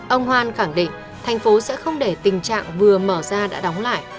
ông hoan khẳng định tp hcm sẽ không để tình trạng vừa mở ra đã đóng lại